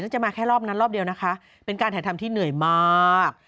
จะมาแค่รอบนั้นรอบเดียวนะคะเป็นการถ่ายทำที่เหนื่อยมาก